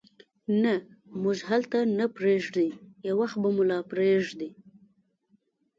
نه، موږ هلته نه پرېږدي، یو وخت خو به مو لا پرېږدي.